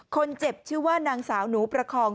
คนเจ็บชื่อว่านางสาวหนูประคอง